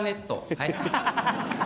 はい？